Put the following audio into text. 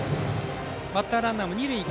バッターランナーも二塁へ。